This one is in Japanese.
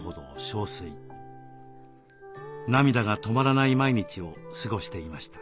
涙が止まらない毎日を過ごしていました。